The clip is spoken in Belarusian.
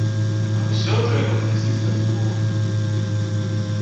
На ўсё трэба прасіць дазволы.